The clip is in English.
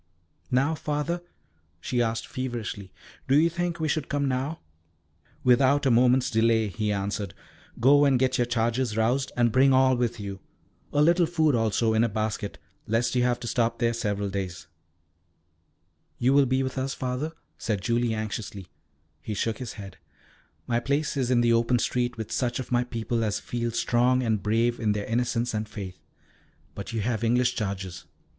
"Now, Father?" she asked feverishly. "Do you think we should come now?" "Without a moment's delay," he answered. "Go and get your charges roused and bring all with you; a little food also in a basket, lest you have to stop there several days." [Illustration: Fleur de Lis Painted for Princess Mary's Gift Book by Carlton A. Smith, R.I.] "You will be with us, Father?" said Julie anxiously. He shook his head. "My place is in the open street with such of my people as feel strong and brave in their innocence and faith. But you have English charges.